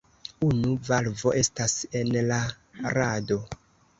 Unu valvo estas en la rado.